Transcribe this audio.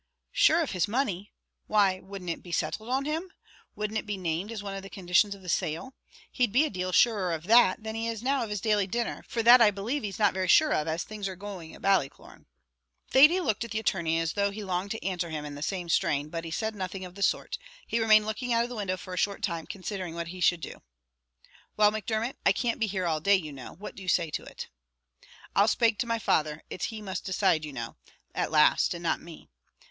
"Sure of his money! why, wouldn't it be settled on him? wouldn't it be named as one of the conditions of the sale? He'd be a deal surer of that, than he is now of his daily dinner; for that I believe he's not very sure of as things are going at Ballycloran." Thady looked at the attorney as though he longed to answer him in the same strain; but he said nothing of the sort; he remained looking out of the window for a short time, considering what he should do. "Well, Macdermot, I can't be waiting here all day you know; what do you say to it?" "I'll spake to my father; it's he must decide you know, at last, and not me.